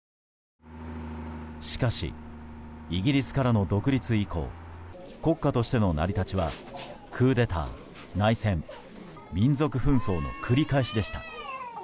しかしイギリスからの独立以降国家としての成り立ちはクーデター、内戦、民族紛争の繰り返しでした。